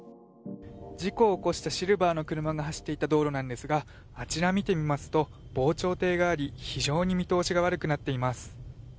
事故を起こしたシルバーの車が走っていた道路なんですがあちら見てみますと防潮堤があり非常に見通しが悪くなっています。